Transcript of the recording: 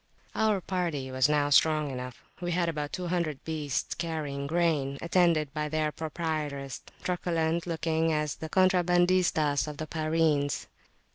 Our party was now strong enough. We had about 200 beasts carrying grain, attended by their proprietors, truculent looking as the contrabandistas of the Pyrenees.